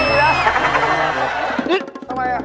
เนี่ยทำไมอะ